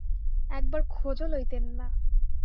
একবার খোঁজও লইতেন না!